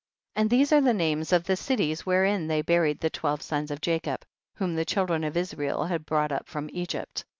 39. And these are the names of the cities wherein they buried the twelve sons of Jacob, whom the chil dren of Israel had brought up from Egypt.